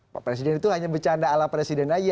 pak presiden itu hanya bercanda ala presiden saja